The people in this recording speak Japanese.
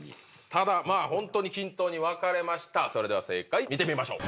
ただホントに均等に分かれましたそれでは正解見てみましょう。